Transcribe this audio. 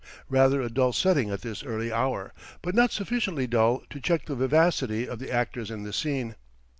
Rather a dull setting at this early hour; but not sufficiently dull to check the vivacity of the actors in the scene.